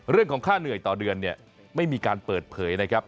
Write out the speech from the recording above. เรื่องของค่าเหนื่อยต่อเดือนเนี่ยไม่มีการเปิดเผยนะครับ